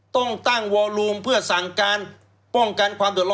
ต้องตั้งวอลูมเพื่อสั่งการป้องกันความเดือดร้อ